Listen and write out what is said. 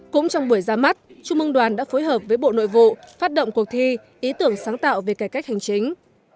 cũng trong buổi ra mắt trung mương đoàn đã phối hợp với bộ nội vụ phát động cuộc thi ý tưởng sáng tạo về cải cách hành chính